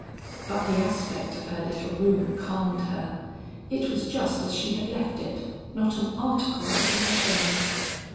But the aspect of her little room calmed her. It was just as she had left it; not an article had been changed.